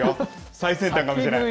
最先端かもしれない。